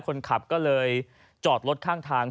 คนขับก็เลยจอดรถข้างทาง